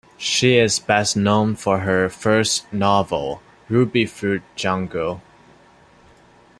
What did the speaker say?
She is best known for her first novel "Rubyfruit Jungle".